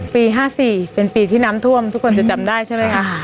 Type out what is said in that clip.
ปี๕๔เป็นปีที่น้ำท่วมทุกคนจะจำได้ใช่ไหมคะ